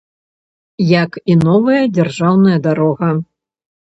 Як і новая дзяржаўная дарога.